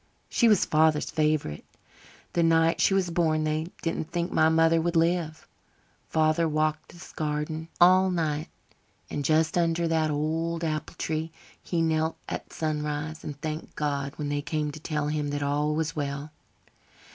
She was father's favourite. The night she was born they didn't think my mother would live. Father walked this garden all night. And just under that old apple tree he knelt at sunrise and thanked God when they came to tell him that all was well.